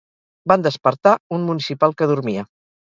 Van despertar un municipal que dormia